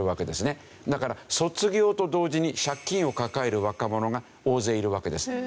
だから卒業と同時に借金を抱える若者が大勢いるわけです。